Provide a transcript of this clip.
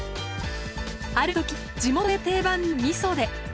ある時は地元で定番のみそで。